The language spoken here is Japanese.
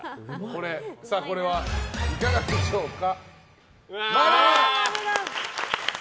さあ、これはいかがでしょうか。